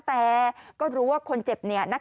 แต่ก็รู้ว่าคนเจ็บเนี่ย